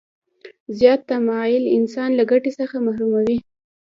زیات تماعل انسان له ګټې څخه محروموي.